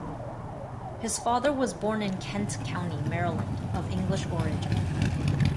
His father was born in Kent county, Maryland, of English origin.